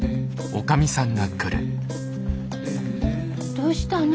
どうしたの？